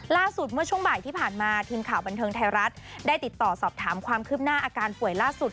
ล่าสุดเมื่อช่วงบ่ายที่ผ่านมาทีมข่าวบันเทิงไทยรัฐได้ติดต่อสอบถามความคืบหน้าอาการป่วยล่าสุด